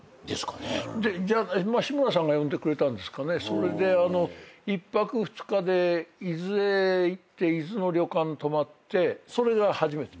それで１泊２日で伊豆へ行って伊豆の旅館に泊まってそれが初めて。